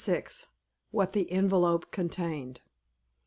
WHAT THE ENVELOPE CONTAINED.